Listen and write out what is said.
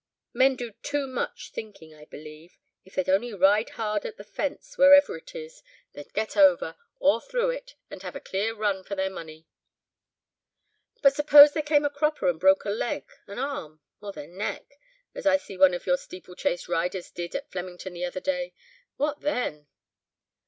Men do too much thinking, I believe. If they'd only ride hard at the fence, whatever it is, they'd get over, or through it, and have a clear run for their money." "But suppose they came a cropper and broke a leg, an arm, or their neck, as I see one of your steeplechase riders did at Flemington the other day, what then?"